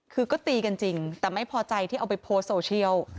คือก็ตีกันจริงแต่ไม่พอใจที่เอาไปโพสต์โซเชียล